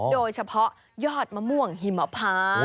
โดยเฉพาะยอดมะม่วงหิมพา